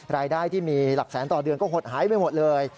รายได้ที่มีหลักแสนต่อเดือนก็หดหายไปหมดเลย